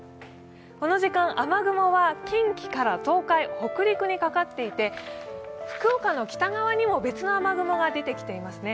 この時間、雨雲は近畿から東海、北陸にかかっていて、福岡の北側にも別の雨雲が出てきていますね。